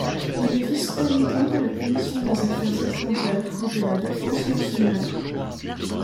Il est vice-président de la Commission des affaires étrangères et de la défense nationale.